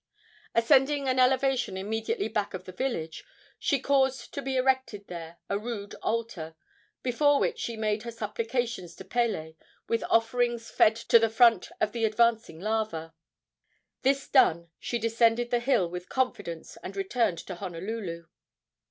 Ascending an elevation immediately back of the village, she caused to be erected there a rude altar, before which she made her supplications to Pele, with offerings fed to the front of the advancing lava. This done, she descended the hill with confidence and returned to Honolulu.